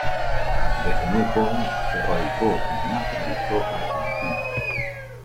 Desde muy joven se radicó y nacionalizó argentina.